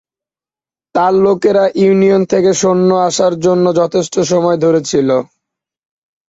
তার লোকেরা ইউনিয়ন থেকে সৈন্য আসার জন্য যথেষ্ট সময় ধরে ছিল।